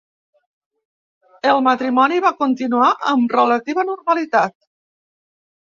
El matrimoni va continuar amb relativa normalitat.